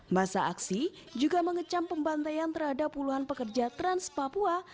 masa aksi juga mengecam pembantaian terhadap puluhan pekerja trans papua